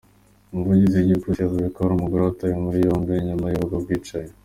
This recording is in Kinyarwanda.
Umuvugizi w'igipolisi yavuze ko hari umugore watawe muri yombi nyuma y'ubwo bwicanyi.